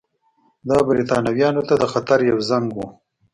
دا برېټانویانو ته د خطر یو زنګ وو.